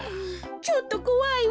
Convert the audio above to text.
ちょっとこわいわ。